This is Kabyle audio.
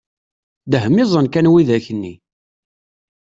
Dehmiẓen kan widak nni!